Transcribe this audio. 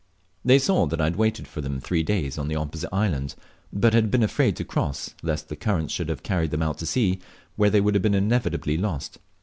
They saw that I waited for them three days at the opposite island, but had been afraid to cross, lest the current should have carried them out to sea, when they would have been inevitably lost.